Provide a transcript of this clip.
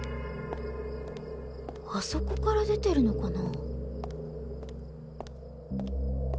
あそこから出てるのかな？